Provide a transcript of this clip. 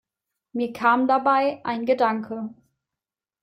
Mir kam dabei ein Gedanke.